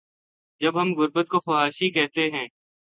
جب ہم غربت کو فحاشی کہتے ہیں۔